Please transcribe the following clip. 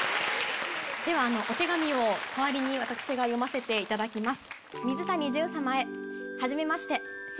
お手紙を代わりに私が読ませていただきます。